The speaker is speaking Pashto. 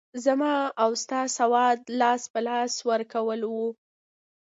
زما او ستا سودا لاس په لاس ورکول وو.